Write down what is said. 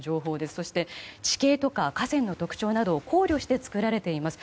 そして地形とか河川の特徴などを考慮して作られています。